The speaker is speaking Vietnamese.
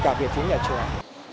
cả về phí nhà trường